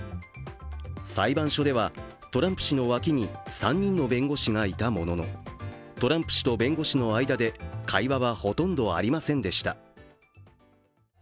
裁判所ではトランプ氏の脇に３人の弁護士がいたものの、トランプ氏と弁護士の間で会話はほとんどありませんでした。